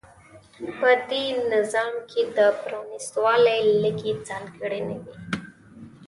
په دې نظام کې د پرانېستوالي لږې ځانګړنې وې.